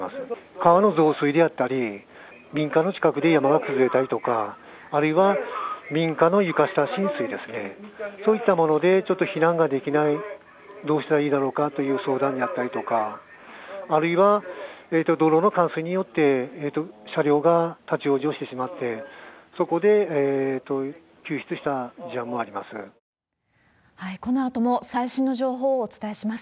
川の増水であったり、民家の近くで山が崩れたりとか、あるいは民家の床下浸水ですね、そういったものでちょっと避難ができない、どうしたらいいだろうかという相談であったりとか、あるいは泥の冠水によって車両が立往生してしまって、そこで救出した事案もあります。